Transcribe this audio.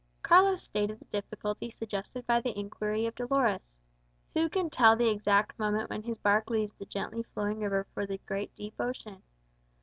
Carlos stated the difficulty suggested by the inquiry of Dolores. Who can tell the exact moment when his bark leaves the gently flowing river for the great deep ocean?